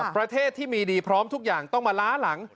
ประเทศที่มีดีพร้อมทุกอย่างต้องมาล้าหลัง